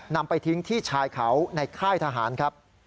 นำไปทิ้งที่ชายเขาในค่ายทหารครับ